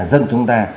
dân chúng ta